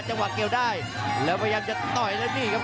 จังหวะเกี่ยวได้แล้วพยายามจะต่อยแล้วนี่ครับ